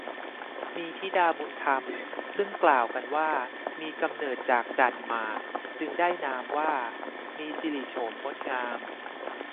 มีธิดาบุญธรรมซึ่งกล่าวกันว่ามีกำเนิดจากจั่นหมาก จึงได้นามว่า มีสิริโฉมงดงาม